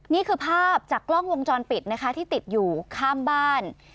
นี่คือภาพจากกล้องวงจรปิดนะคะที่ติดอยู่ข้ามบ้าน